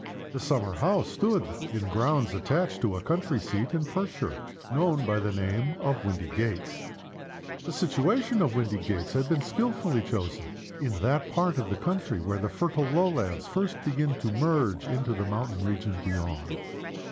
The summer house stood in grounds attached to a country seat in Perthshire, known by the name of Windygates. The situation of Windygates had been skillfully chosen in that part of the county where the fertile lowlands first begin to merge into the mountain region beyond.